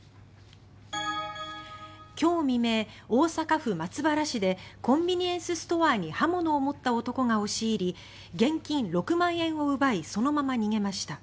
今日未明、大阪府松原市でコンビニエンスストアに刃物を持った男が押し入り現金６万円を奪いそのまま逃げました。